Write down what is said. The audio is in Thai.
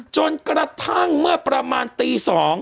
จนกระทั่งเมื่อประมาณตี๒